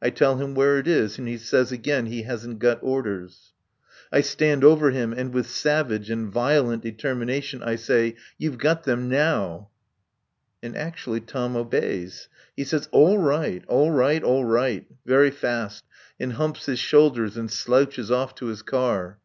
I tell him where it is, and he says again he hasn't got orders. I stand over him and with savage and violent determination I say: "You've got them now!" And, actually, Tom obeys. He says, "All right, all right, all right," very fast, and humps his shoulders and slouches off to his car.